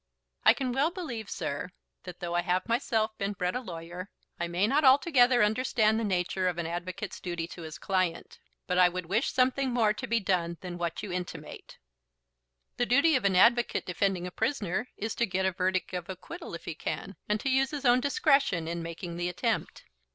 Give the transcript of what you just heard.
"I can well believe, sir, that though I have myself been bred a lawyer, I may not altogether understand the nature of an advocate's duty to his client. But I would wish something more to be done than what you intimate." "The duty of an advocate defending a prisoner is to get a verdict of acquittal if he can, and to use his own discretion in making the attempt."